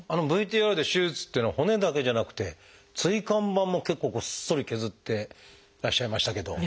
ＶＴＲで手術っていうのは骨だけじゃなくて椎間板も結構ごっそり削ってらっしゃいましたけど。